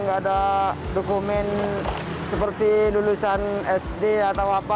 nggak ada dokumen seperti lulusan sd atau apa